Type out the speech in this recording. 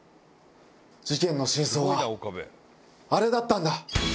事件の真相はあれだったんだ。